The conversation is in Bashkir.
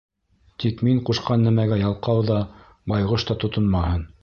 Тик мин ҡушҡан нәмәгә ялҡау ҙа, байғош та тотонмаһын!